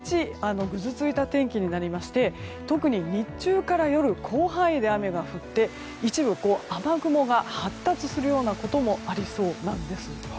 更に、あさって木曜日になると１日ぐずついた天気になりまして特に日中から夜広範囲で雨が降って一部雨雲が発達するようなこともありそうなんです。